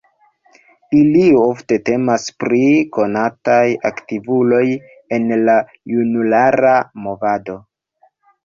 Ili ofte temas pri konataj aktivuloj en la junulara movado.